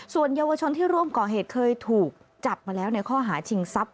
ส่วนเยาวชนที่ร่วมก่อเหตุเคยถูกจับมาแล้วในข้อหาชิงทรัพย